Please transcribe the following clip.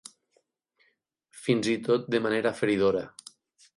Fins i tot de manera feridora.